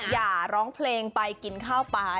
อย่าร้องเพลงไปกินข้าวปลา